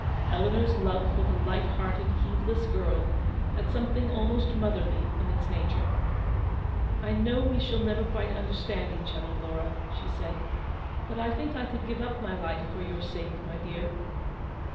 Eleanor's love for the light hearted, heedless girl, had something almost motherly in its nature. " I know we shall never quite understand each other, Laura," she said; " but I think I could give up my life for your sake, my dear."